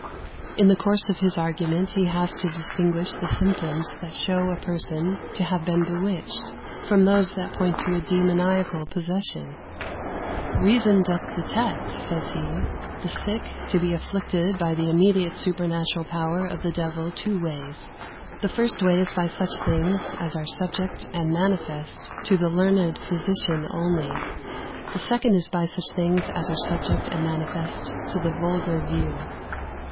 In the course of his argument he has to distinguish the symptoms that show a person to have been bewitched, from those that point to a demoniacal possession. "Reason doth detect," says he, "the sicke to be afflicted by the immediate supernaturall power of the devil two wayes: the first way is by such things as are subject and manifest to the learned physicion only; the second is by such things as are subject and manifest to the vulgar view."